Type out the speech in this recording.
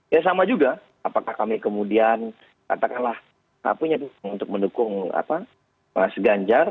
ya sama juga apakah kami kemudian katakanlah punya untuk mendukung mas ganjar